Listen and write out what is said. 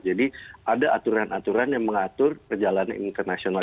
jadi ada aturan aturan yang mengatur perjalanan internasional